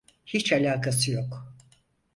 Hiç alakası yok.